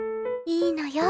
いいのよ。